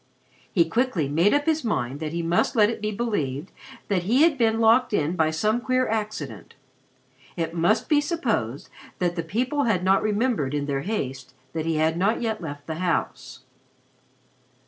He quickly made up his mind that he must let it be believed that he had been locked in by some queer accident. It must be supposed that the people had not remembered, in their haste, that he had not yet left the house.